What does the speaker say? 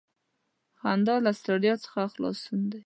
• خندا له ستړیا څخه خلاصون دی.